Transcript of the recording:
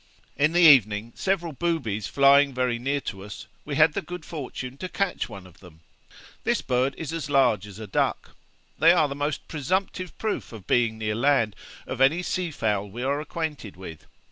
In the evening, several boobies flying very near to us, we had the good fortune to catch one of them. This bird is as large as a duck. They are the most presumptive proof of being near land, of any sea fowl we are acquainted with.